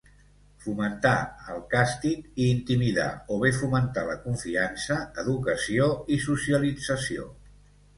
Fomentar el càstig i intimidar o bé fomentar la confiança, educació i socialització.